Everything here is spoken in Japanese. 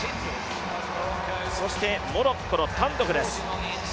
そしてモロッコのタンドフです。